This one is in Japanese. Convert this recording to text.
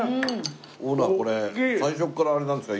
オーナーこれ最初からあれなんですか？